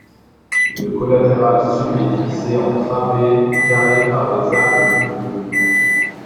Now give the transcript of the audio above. Le collatéral sud est divisé en travées carrées par des arcs doubleaux.